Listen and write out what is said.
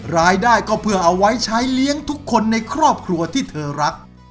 รายได้ก็เพื่อเอาไว้ใช้เลี้ยงทุกคนในครอบครัวที่เธอรัก